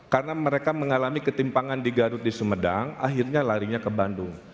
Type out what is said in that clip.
karena mereka mengalami ketimpangan di garut di sumedang akhirnya larinya ke bandung